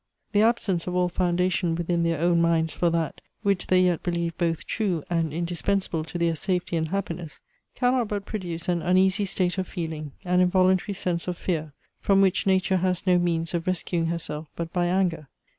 The absense of all foundation within their own minds for that, which they yet believe both true and indispensable to their safety and happiness, cannot but produce an uneasy state of feeling, an involuntary sense of fear from which nature has no means of rescuing herself but by anger.